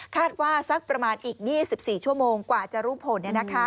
สักประมาณอีก๒๔ชั่วโมงกว่าจะรู้ผล